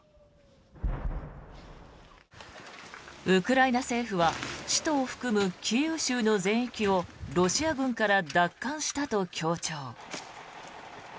ウクライナ政府は首都を含むキーウ州の全域をロシア軍から奪還したと強調。